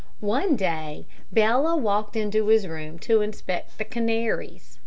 One day Bella walked into his room to inspect the canaries.